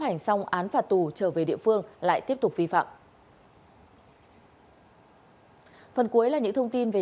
hành xong án phạt tù trở về địa phương lại tiếp tục vi phạm phần cuối là những thông tin về